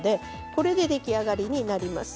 これで出来上がりになります。